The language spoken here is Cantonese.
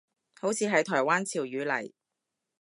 好似係台灣潮語嚟